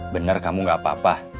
benar kamu gak apa apa